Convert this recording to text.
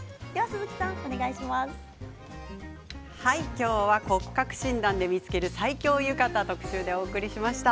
今日は骨格診断で見つける最強浴衣特集でお送りしました。